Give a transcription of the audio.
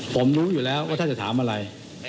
ผมรู้อยู่แล้วว่าท่านจะถามอะไร